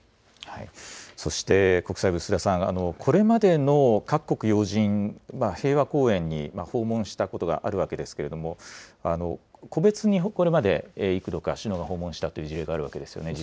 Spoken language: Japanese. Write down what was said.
そして国際部、須田さん、これまでの各国要人、平和公園に訪問したことがあるわけですけれども、個別にこれまでいく度か首脳が訪問したという事例があるわけです